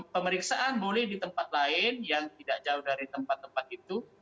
pemeriksaan boleh di tempat lain yang tidak jauh dari tempat tempat itu